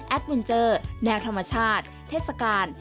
มินเจอร์แนวธรรมชาติเทศกาล